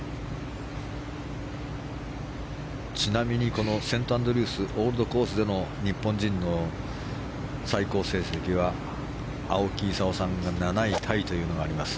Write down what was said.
ちなみにセントアンドリュースオールドコースでの日本人の最高成績は青木功さんが７位タイというのがあります。